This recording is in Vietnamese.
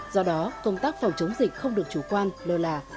do đó công tác phòng chống dịch không được chủ quan lơ là